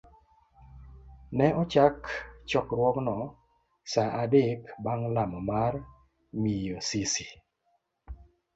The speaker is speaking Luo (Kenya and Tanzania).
Ne ochak chokruogno sa adek bang' lamo mar miyo Sisi.